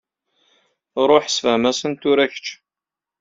Ṛuḥ ssefhem-asen tura kečč.